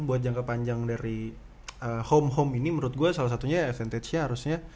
buat jangka panjang dari home home ini menurut gue salah satunya advantage nya harusnya